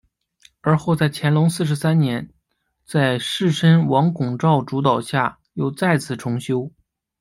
而后在乾隆四十三年在士绅王拱照主导下又再次重修。